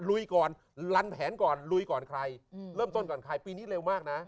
ลุยก่อนลันแผนก่อนลุยก่อนใครเริ่มต้นก่อนใครปีนี้เร็วมากนะ